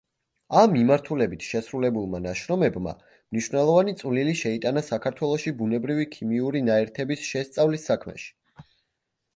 ამ მიმართულებით შესრულებულმა ნაშრომებმა მნიშვნელოვანი წვლილი შეიტანა საქართველოში ბუნებრივი ქიმიური ნაერთების შესწავლის საქმეში.